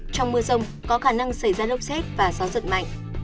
trong mưa rông có khả năng xảy ra lốc xét và gió giật mạnh